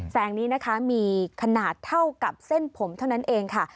แสงนี้นะคะมีขนาดเท่ากับเส้นผมเท่านั้นเองค่ะ